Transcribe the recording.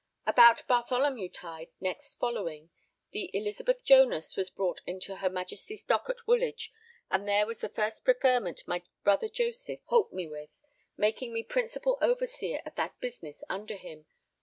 About Bartholomew tide next following, the Elizabeth Jonas was brought into her Majesty's Dock at Woolwich, and there was the first preferment my brother Joseph holp me with, making me principal overseer of that business under him.